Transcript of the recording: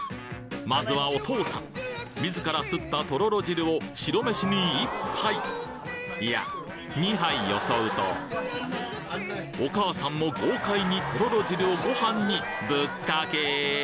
まずはお父さん自らすったとろろ汁を白飯に１杯いや２杯よそうとお母さんも豪快にとろろ汁をご飯にぶっかけ！